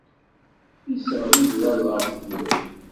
Isseɣli-d laẓ ɣef tmurt.